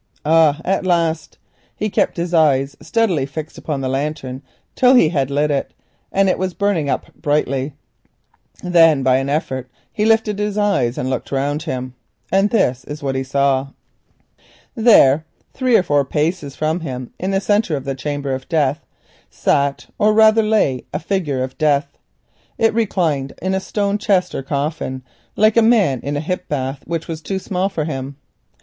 Ah! at last! He kept his eyes steadily fixed upon the lantern till he had lit it and the flame was burning brightly. Then with an effort he turned and looked round him. And this is what he saw. There, three or four paces from him, in the centre of the chamber of Death sat or rather lay a figure of Death. It reclined in a stone chest or coffin, like a man in a hip bath which is too small for him.